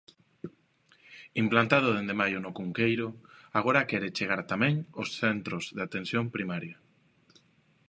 Implantado dende maio no Cunqueiro, agora quere chegar tamén aos centros de atención primaria.